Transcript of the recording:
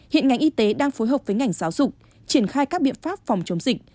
hiện ngành y tế đang phối hợp với ngành giáo dục triển khai các biện pháp phòng chống dịch